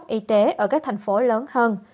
chăm sóc y tế ở các thành phố lớn hơn